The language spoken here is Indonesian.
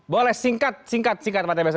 boleh singkat singkat pak t b